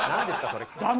それ。